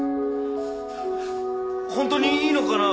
本当にいいのかな？